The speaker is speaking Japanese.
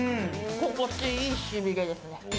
心地良いしびれですね。